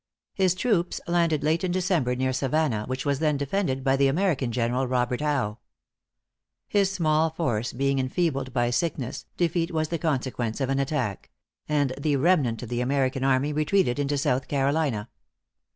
His troops landed late in December near Savannah, which was then defended by the American general, Robert Howe. His small force being enfeebled by sickness, defeat was the consequence of an attack; and the remnant of the American army retreated into South Carolina.